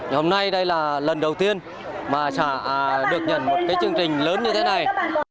hôm nay đây là lần đầu tiên mà được nhận một cái chương trình lớn như thế này